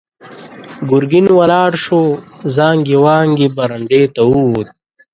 ګرګين ولاړ شو، زانګې وانګې برنډې ته ووت.